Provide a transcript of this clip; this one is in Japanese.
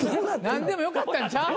何でもよかったんちゃう？